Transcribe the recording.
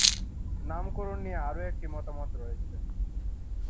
নামকরণ নিয়ে আরো একটি মতামত রয়েছে।